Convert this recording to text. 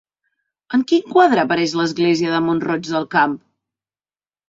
En quin quadre apareix l'església de Mont-roig del Camp?